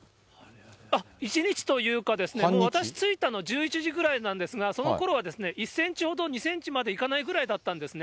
一日というか、私着いたの１１時くらいなんですが、そのころは１センチほど、２センチいかないぐらいだったんですね。